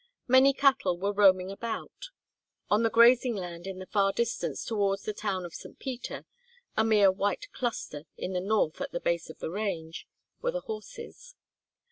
Many cattle were roaming about; on the grazing land in the far distance towards the town of St. Peter a mere white cluster in the north at the base of the range were the horses.